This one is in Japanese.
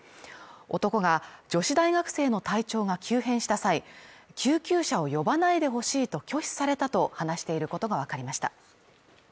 男が女子大学生の体調が急変した際、救急車を呼ばないでほしいと拒否されたと話していることがわかりました。